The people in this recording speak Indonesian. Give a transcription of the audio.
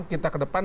kita ke depan